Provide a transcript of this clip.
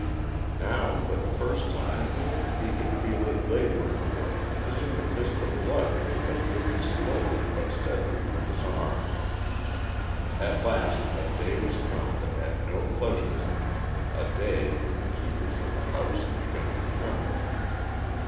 Now for the first time he could feel it laboring a little as if it missed the blood which had been dripping slowly but steadily from his arm. At last a day was come that had no pleasure in it a day when the keepers of the house had begun to tremble.